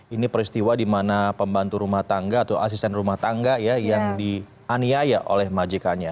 ini peristiwa di mana pembantu rumah tangga atau asisten rumah tangga ya yang dianiaya oleh majikanya